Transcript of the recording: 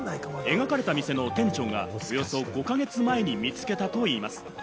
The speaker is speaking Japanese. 描かれた店の店長が、およそ５か月前に見つけたといいます。